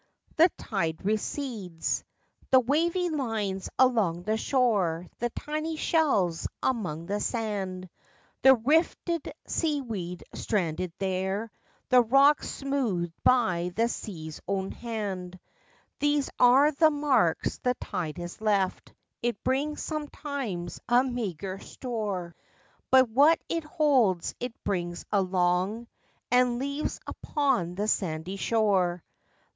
The tide recedes. The wavy lines along the shore, The tiny shells among the sand, The rifted sea weed stranded there, The rocks smoothed by the sea's own hand. These are the marks the tide has left, It brings sometimes a meager store, 80 LIFE WAVES But what it holds it brings along, And leaves upon the sandy shore.